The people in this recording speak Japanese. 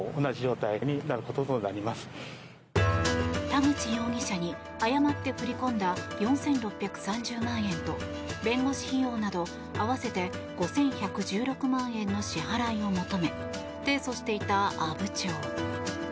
田口容疑者に誤って振り込んだ４６３０万円と弁護士費用など合わせて５１１６万円の支払いを求め提訴していた阿武町。